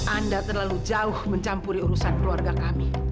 anda terlalu jauh mencampuri urusan keluarga kami